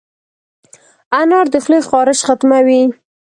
انار د خولې خارش ختموي.